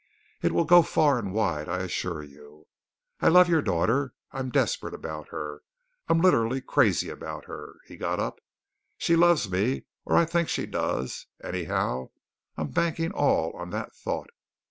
It will go far and wide, I assure you. I love your daughter. I'm desperate about her. I'm literally crazy about her" he got up "she loves me, or I think she does. Anyhow, I'm banking all on that thought.